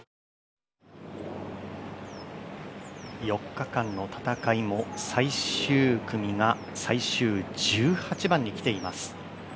４日間の戦いも最終組が最終１８番にきています。